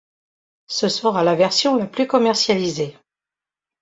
Ce sera la version la plus commercialisée.